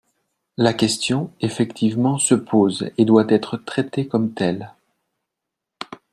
La question, effectivement, se pose et doit être traitée comme telle.